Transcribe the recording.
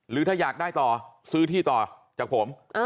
หรือถ้าอยากได้ต่อซื้อที่ต่อจากผม